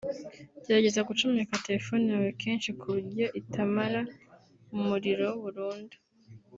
gerageza gucomeka telephone yawe kenshi ku buryo itamara umuriro burundu